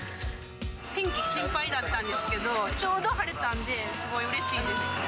天気、心配だったんですけど、ちょうど晴れたんで、すごいうれしいです。